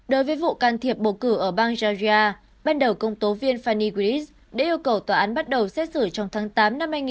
đối với vụ can thiệp bầu cử ở bang georgia ban đầu công tố viên fany gris đã yêu cầu tòa án bắt đầu xét xử trong tháng tám năm hai nghìn hai mươi